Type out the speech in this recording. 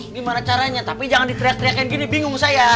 gimana caranya tapi jangan diteriak teriakin gini bingung saya